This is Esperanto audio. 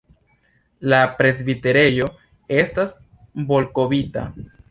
La presbiterejo estas volbita.